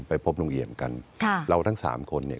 ไปพบลุงเอี่ยมกันค่ะเราทั้งสามคนเนี่ย